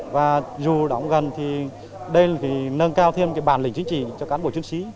và dù đóng gần thì đây là nâng cao thêm cái bản lĩnh chính trị cho cán bộ chiến sĩ